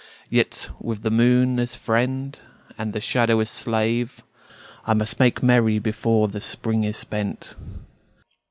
Yet with the moon as friend and the shadow as slave I must make merry before the Spring is spent.